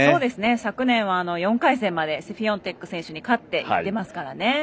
昨年は４回戦までシフィオンテク選手に勝っていってますからね。